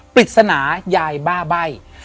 ปริศนายายบ้าใบ้